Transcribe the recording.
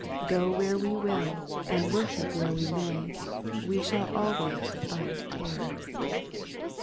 Go where we will, and worship where we may, we shall always find tares.